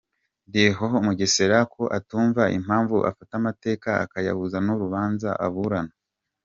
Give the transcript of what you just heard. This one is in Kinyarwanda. Leon Mugesera ko atumva impamvu afata amateka akayahuza n’urubanza aburana.